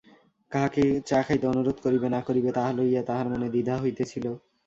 কাহাকে চা খাইতে অনুরোধ করিবে না-করিবে তাহা লইয়া তাহার মনে দ্বিধা হইতেছিল।